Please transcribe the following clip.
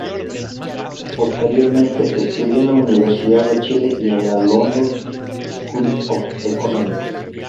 Posteriormente estudió en la Universidad de Chile y en la London School of Economics.